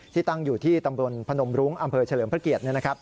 ตั้งอยู่ที่ตำบลพนมรุ้งอำเภอเฉลิมพระเกียรติ